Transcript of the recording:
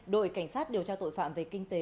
đội cảnh sát điều tra tội phạm về kinh tế